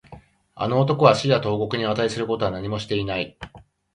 あの男は死や投獄に値することは何もしていない